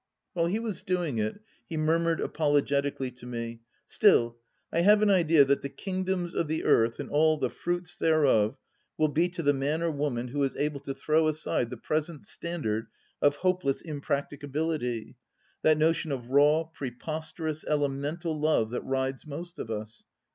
While he was doing it, he murmured apologetic ally to me :" Still, I have an idea that the kingdoms of the Earth and all the fruits thereofwill be to the man or woman who is able to throw aside the present standard of hopeless impractica bility — ^that notion of raw, preposterous, elemental Love, that rides most of us.